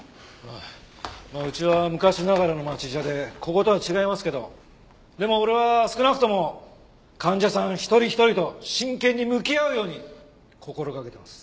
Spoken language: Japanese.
ああうちは昔ながらの町医者でこことは違いますけどでも俺は少なくとも患者さん一人一人と真剣に向き合うように心がけてます。